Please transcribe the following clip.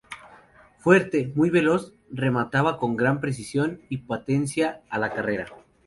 Fuerte, muy veloz, remataba con gran precisión y potencia a la carrera.